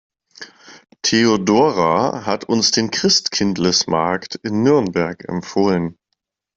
Theodora hat uns den Christkindlesmarkt in Nürnberg empfohlen.